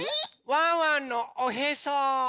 ワンワンのおへそ。